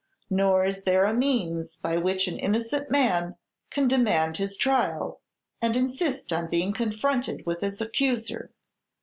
Nor is there a means by which an innocent man can demand his trial, and insist on being confronted with his accuser.